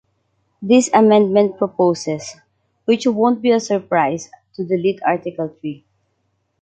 This amendment proposes, which won’t be a surprise, to delete article three.